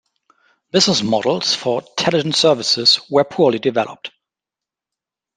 Business models for Telidon services were poorly developed.